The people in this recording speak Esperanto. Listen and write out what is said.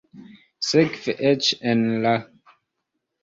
Sekve eĉ en la.